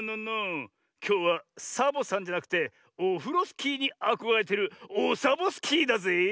きょうはサボさんじゃなくてオフロスキーにあこがれてるオサボスキーだぜえ。